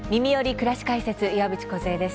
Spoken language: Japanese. くらし解説」岩渕梢です。